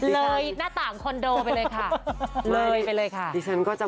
เลยหน้าต่างคอนโดไปเลยค่ะ